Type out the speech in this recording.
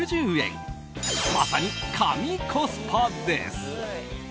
まさに神コスパです。